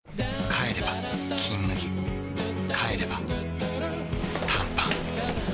帰れば「金麦」帰れば短パン